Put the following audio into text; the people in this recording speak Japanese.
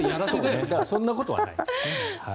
そんなことはないという。